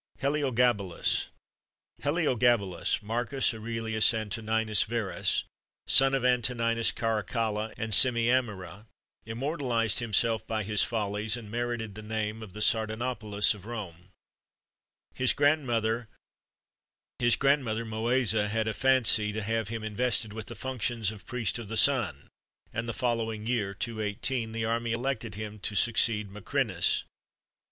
HELIOGABALUS. Heliogabalus (Marcus Aurelius Antoninus Verus), son of Antoninus Caracalla and Semiamira, immortalised himself by his follies, and merited the name of the Sardanapalus of Rome. His grandmother, Mœsa, had a fancy to have him invested with the functions of Priest of the Sun, and the following year (218) the army elected him to succeed Macrinus.